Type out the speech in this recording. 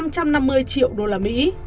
năm trăm năm mươi triệu đô la mỹ